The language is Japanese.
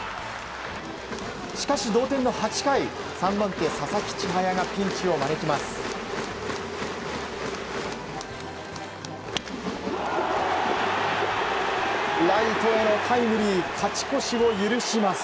しかし、同点の８回３番手、佐々木千隼がピンチを招きます。